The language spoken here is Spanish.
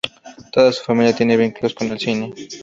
Toda su familia tiene vínculos con el cine.